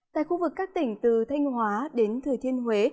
tại khu vực các tỉnh từ thanh hóa đến thừa thiên huế